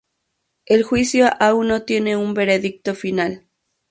El juicio aún no tiene un veredicto final.